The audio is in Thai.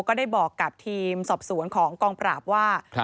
ก็ได้บอกกับทีมสอบสวนของกองปราบว่า